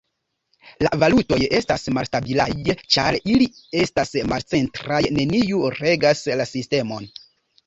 La valutoj estas malstabilaj ĉar ili estas malcentraj, neniu regas la sistemon.